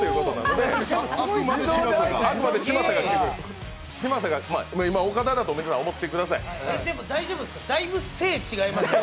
でも大丈夫ですか？